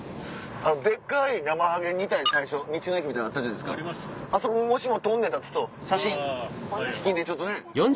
デッカいナマハゲ２体最初道の駅みたいのにあったじゃないですかあそこもしも通んのやったら写真引きでちょっとね。